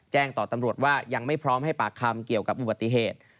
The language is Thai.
แจ้งต่อตำรวจว่ายังไม่พร้อมให้ปากคำเกี่ยวกับอุบัติเหตุ